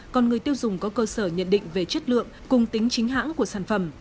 còn người tiêu dùng có cơ sở nhận định về chất lượng cùng tính chính hãng của sản phẩm